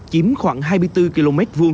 chiếm khoảng hai mươi bốn km hai